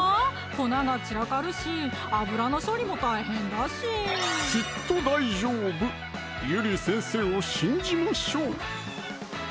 粉が散らかるし油の処理も大変だしきっと大丈夫ゆり先生を信じましょう！